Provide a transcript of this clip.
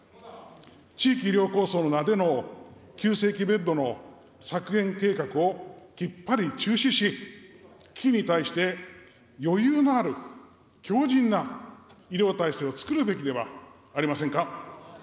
地域医療構想の名での急性期ベッドの削減計画をきっぱり中止し、危機に対して余裕のある、強じんな医療体制を作るべきではありませんか。